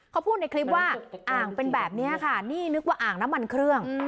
เขาพูดในคลิปว่าอ่างเป็นแบบนี้ค่ะนี่นึกว่าอ่างน้ำมันเครื่อง